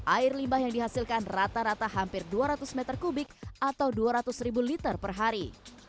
air limbah yang dihasilkan rata rata hampir dua ratus meter kubik atau dua ratus ribu liter per hari